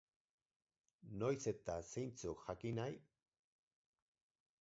Noiz eta zeintzuk jakin nahi?